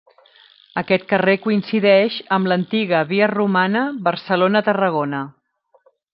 Aquest carrer coincideix amb l'antiga via romana Barcelona-Tarragona.